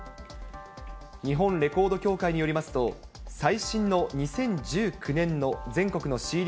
日本レコード協会によりますと、最新の２０１９年の全国のＣＤ